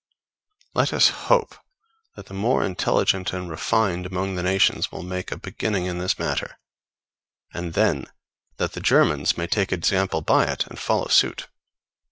Let us hope that the more intelligent and refined among the nations will make a beginning in this matter, and then that the Germans may take example by it and follow suit.